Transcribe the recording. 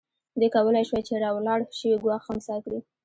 دوی کولای شوای چې راولاړ شوی ګواښ خنثی کړي.